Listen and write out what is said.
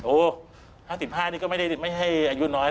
โอ้โฮ๕๕นี่ก็ไม่ให้อายุน้อย